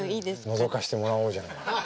のぞかしてもらおうじゃない。